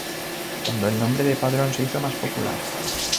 Cuando el nombre de Padrón se hizo más popular.